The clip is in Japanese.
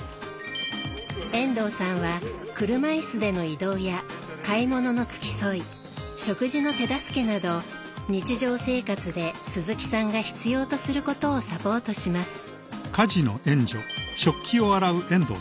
遠藤さんは車いすでの移動や買い物の付き添い食事の手助けなど日常生活で鈴木さんが必要とすることをサポートします。